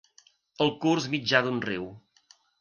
El curs mitjà d'un riu.